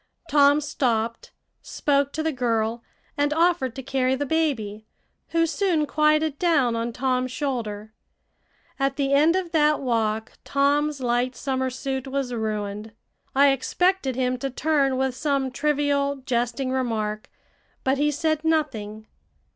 Tom stopped, spoke to the girl, and offered to carry the baby, who soon quieted down on Tom's shoulder. At the end of that walk Tom's light summer suit was ruined. I expected him to turn with some trivial, jesting remark, but he said nothing.